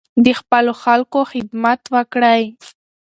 د خپلو خلکو خدمت وکړئ.